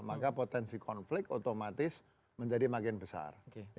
maka potensi konflik otomatis menjadi makin besar